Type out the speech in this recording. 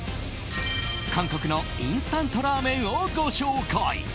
韓国のインスタントラーメンをご紹介。